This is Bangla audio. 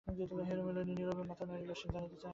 হেমনলিনী নীরবে মাথা নাড়িল–সে জানিতে চায় না।